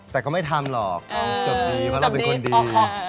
แต่ก็ไม่ทำหรอกจบดีเพราะเราเป็นคนดี